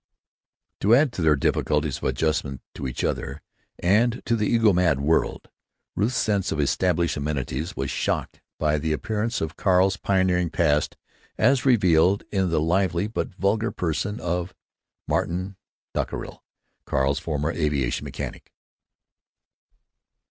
To add to their difficulties of adjustment to each other, and to the ego mad world, Ruth's sense of established amenities was shocked by the reappearance of Carl's pioneering past as revealed in the lively but vulgar person of Martin Dockerill, Carl's former aviation mechanic.